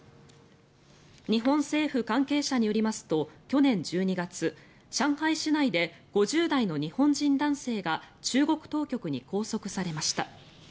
日本政府関係者によりますと去年１２月上海市内で５０代の日本人男性が中国当局に拘束されました。